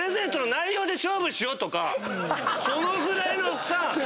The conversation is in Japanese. そのぐらいのさ。